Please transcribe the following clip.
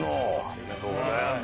おめでとうございます！